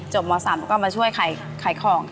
จบม๓แล้วก็มาช่วยขายของ